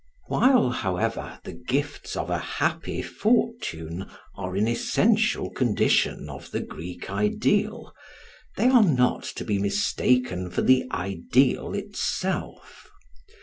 While, however, the gifts of a happy fortune are an essential condition of the Greek ideal, they are not to be mistaken for the ideal itself.